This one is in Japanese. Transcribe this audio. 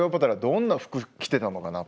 どんな服着てたのかなとか。